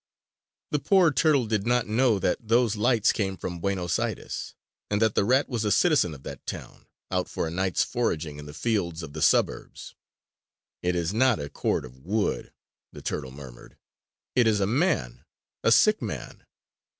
The poor turtle did not know that those lights came from Buenos Aires, and that the rat was a citizen of that town, out for a night's foraging in the fields of the suburbs. "It is not a cord of wood," the turtle murmured, "It is a man, a sick man!"